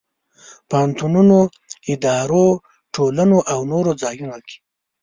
پوهنتونونو، ادارو، ټولنو او نور ځایونو کې.